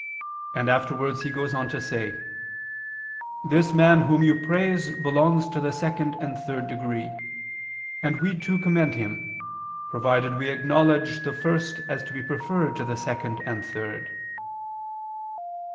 and afterwards he goes on to say: "This man whom you praise belongs to the second and third degree, and we too commend him: provided we acknowledge the first as to be preferred to the second and third."